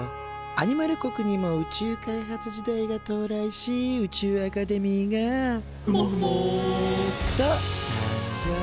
アニマル国にも宇宙開発時代が到来し宇宙アカデミーが「ふもふも」と誕生。